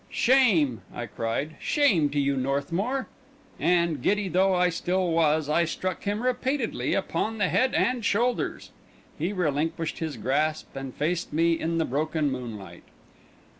"Shame!" I cried. "Shame to you, Northmour!" And, giddy though I still was, I struck him repeatedly upon the head and shoulders. He relinquished his grasp, and faced me in the broken moonlight.